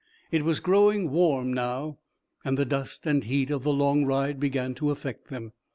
It was growing warm now, and the dust and heat of the long ride began to affect them.